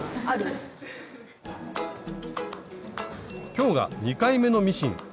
今日が２回目のミシン。